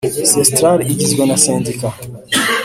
Cestrar igizwe na sendika